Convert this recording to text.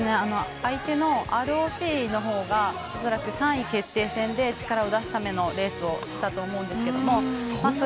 相手のＲＯＣのほうが恐らく３位決定戦で力を出すためのレースをしたと思うんですけど。